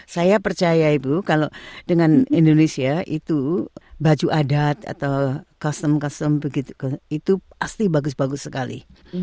saya percaya ibu kalau dengan indonesia itu baju adat atau custom custom begitu itu pasti bagus bagus sekali